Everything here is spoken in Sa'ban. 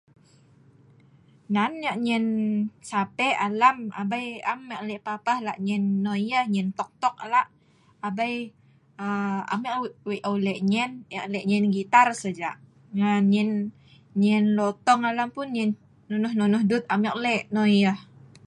nan ek nyen sape alam abei am ek lek papah lak nyen noi yeh, nyen tok tok lak abei aa am ek weik eu lek nyen ek lek nyen gitar saja ngan nyen nyen lotong alam pun nyen nonoh nonoh dut am ek lek noi yah